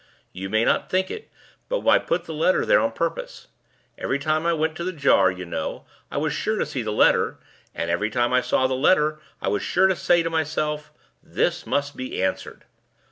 You may not think it but I put the letter there on purpose. Every time I went to the jar, you know, I was sure to see the letter; and every time I saw the letter, I was sure to say to myself, 'This must be answered.